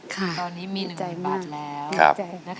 ตอนนี้มีหนึ่งหมื่นบาทแล้ว